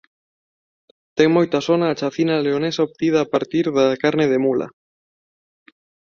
Ten moita sona a chacina leonesa obtida a partir da carne de mula.